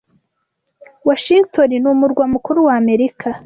Washington ni umurwa mukuru wa Amerika.